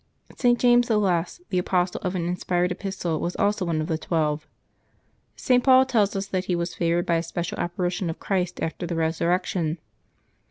St. James the Less, the author of an inspired epistle, was also one of the Twelve. St. Paul tells us that he was favored by a special apparition of Christ after the Resur rection.